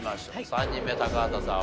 ３人目高畑さん